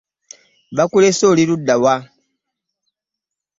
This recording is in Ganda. Bakulese oli ludda wa?